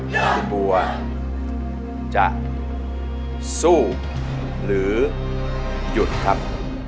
คุณบัวจะสู้หรือหยุดครับ